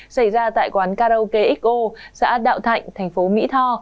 xảy ra tại quán karaoke xo xã đạo thạnh thành phố mỹ tho